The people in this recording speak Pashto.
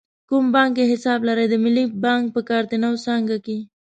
کوم بانک کې حساب لرئ؟ د ملی بانک په کارته نو څانګه کښی